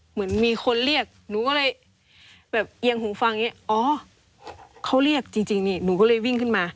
เหมือนมีคนเรียกหนูก็เลยแบบเอียงหูฟังอย่างนี้อ๋อเขาเรียกจริงนี่หนูก็เลยวิ่งขึ้นมา